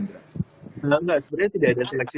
sebenarnya tidak ada seleksi